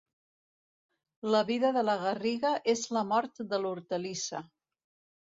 La vida de la garriga és la mort de l'hortalissa.